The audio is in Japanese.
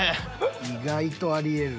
意外とあり得る。